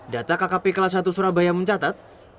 data kkp kelas satu surabaya mencatat